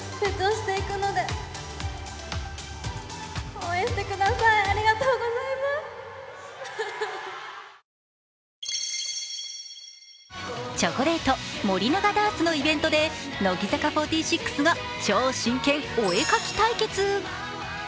思いを受け取ったメンバーはチョコレート、森永ダースのイベントで乃木坂４６が超真剣お絵描き対決。